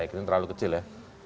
ini terlalu kecil ya